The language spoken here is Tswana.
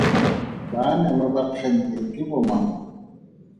Baanelwa ba kgang e ke bomang?